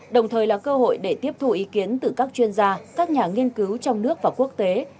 đồng thời là cơ hội để tiếp thu ý kiến từ các chuyên gia các nhà nghiên cứu trong nước và quốc tế